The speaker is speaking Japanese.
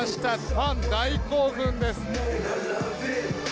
ファン、大興奮です。